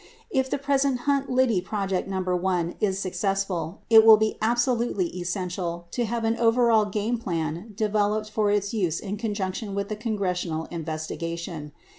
If the present Hunt/ Liddy Project ffl is successful , it will he absolutely essential to have an overall game plan developed for its use in conjunc tion with the Congressional investigation.